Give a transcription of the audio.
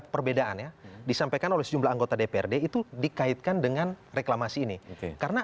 perbedaan ya disampaikan oleh sejumlah anggota dprd itu dikaitkan dengan reklamasi ini karena